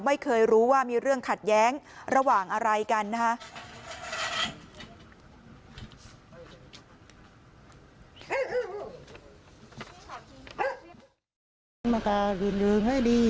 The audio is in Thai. ไม่รู้ว่ามีเรื่องขัดแย้งระหว่างอะไรกันนะคะ